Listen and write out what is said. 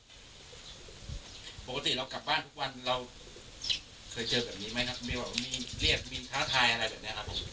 ปกติเรากลับบ้านทุกวันเราเคยเจอแบบนี้ไหมครับมีแบบมีเรียกมีท้าทายอะไรแบบนี้ครับผม